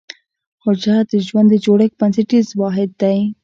حجره د ژوند د جوړښت بنسټیز واحد دی